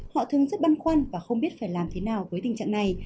họ thường rất băn khoăn và không biết phải làm thế nào với tình trạng này